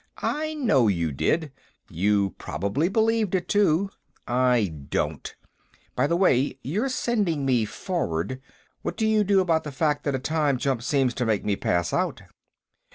"I know you did. You probably believed it, too. I don't. And by the way, you're sending me forward. What do you do about the fact that a time jump seems to make me pass out?"